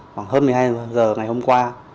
khoảng hơn một mươi hai giờ ngày hôm qua